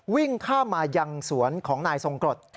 วิ่งข้ามมายังสวนของนายทรงกรด